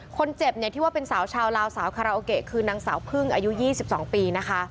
คนเจ็บที่ว่าเป็นสาวชาวลาวสาวคาราโอเกะคือนางสาวพึ่งอายุ๒๒ปีนะคะ